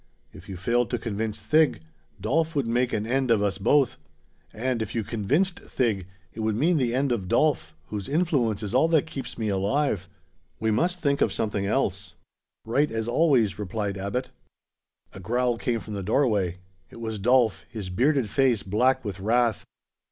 "If you failed to convince Thig, Dolf would make an end of us both. And if you convinced Thig, it would mean the end of Dolf, whose influence is all that keeps me alive. We must think of something else." "Right, as always," replied Abbot. A growl came from the doorway. It was Dolf, his bearded face black with wrath.